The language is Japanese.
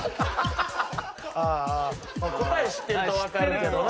答え知ってると分かるけどな。